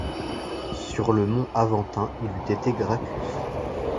Sur le mont Aventin, il eût été Gracchus.